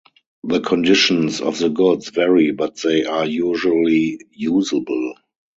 The conditions of the goods vary, but they are usually usable.